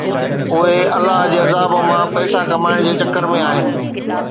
اهي الله جي عذاب مان پئسا ڪمائڻ جي چڪر ۾ آهن